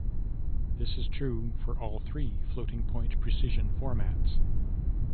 This is true for all three floating-point precision formats.